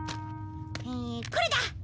えこれだ！